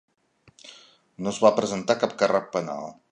No es va presentar cap càrrec penal.